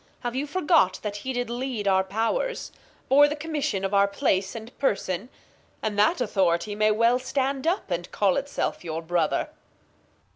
Have you forgot that He did lead our Pow'rs ; Bore the Commission of our Place and Person ? And that Authority may well stand up. And call it self your Brother.